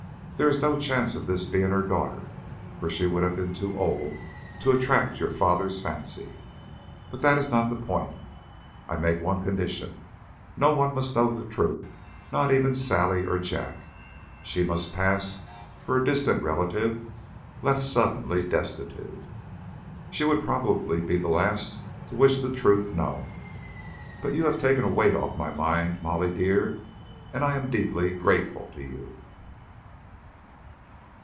There is no chance of this being her daughter, for she would have been too old to attract your father's fancy. But that is not the point. I make one condition. No one must know the truth, not even Sally or Jack. She must pass for a distant relative, left suddenly destitute." "She would probably be the last to wish the truth known. But you have taken a weight off my mind, Molly dear, and I am deeply grateful to you."